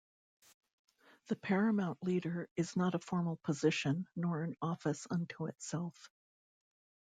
The "paramount leader" is not a formal position nor an office unto itself.